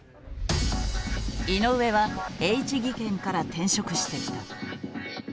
井上はＨ技研から転職してきた。